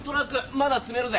まだ積めるぜ。